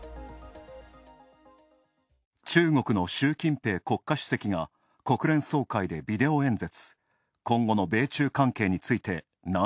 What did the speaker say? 中国の習近平国家主席が国連総会でビデオ演説。